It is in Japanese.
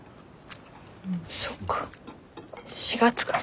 そっか４月から。